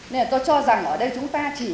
nên là tôi cho rằng ở đây chúng ta chỉ